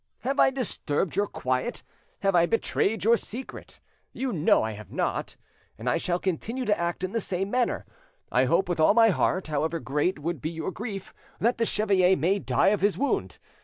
Have I disturbed your quiet? Have I betrayed your secret? You know I have not. And I shall continue to act in the same manner. I hope with all my heart, however great would be your grief; that the chevalier may die of his wound.